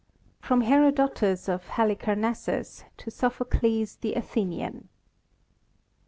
V. From Herodotus of Halicarnassus to Sophocles the Athenian.